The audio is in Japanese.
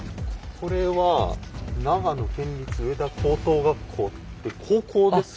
これは長野県立上田高等学校って高校ですか？